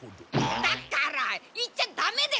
だから言っちゃダメですって！